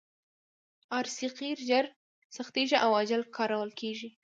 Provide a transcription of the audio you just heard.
ار سي قیر ژر سختیږي او عاجل کارول کیږي